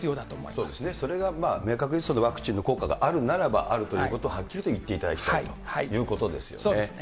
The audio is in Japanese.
そうですね、それが明確にワクチンの効果があるならばあるということをはっきりと言っていただきたいということですよね。